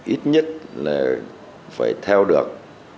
ít nhất là phải theo được